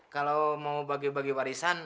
kalau mau bagi bagi warisan